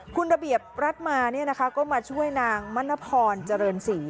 คุณระเบียบรัฐมาก็มาช่วยนางมณพรเจริญศรี